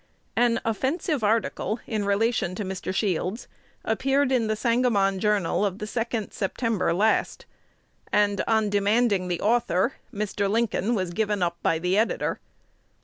An offensive article in relation to Mr. Shields appeared in "The Sangamon Journal" of the 2d September last; and, on demanding the author, Mr. Lincoln was given up by the editor.